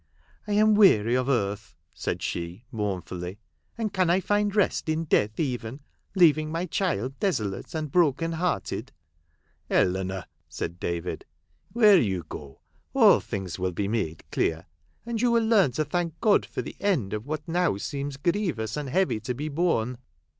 " I am weary of earth," said she, mourn fully, "and can I find rest in death even, leaving my child desolate and broken hearted 1 "" Eleanor," said David, " where you go, all things will be made clear ; and you will learn to thank God for the end of what now seems grievous and heavy to be borne.